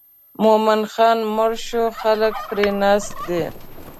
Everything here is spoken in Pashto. مومن خان مړ شو خلک پر ناست دي.